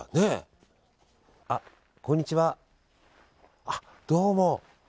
こんにちは、どうも。